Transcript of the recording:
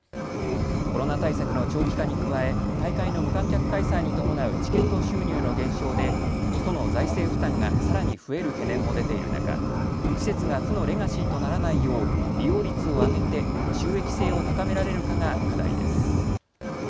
コロナ対策の長期化に加え大会の無観客開催に伴うチケット収入の減少で都の財政負担がさらに増える懸念も出ている中、施設が負のレガシーとならないよう利用率を上げて収益性を高められるかが課題です。